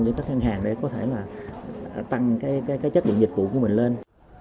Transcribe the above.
để các ngân hàng có thể tăng chất lượng dịch vụ của mình lên